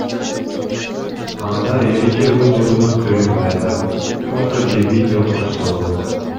Анда эреже бузуунун түрүн баяндап, фото же видео кошсо болот.